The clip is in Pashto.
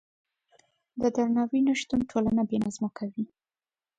د درناوي نشتون ټولنه بې نظمه کوي.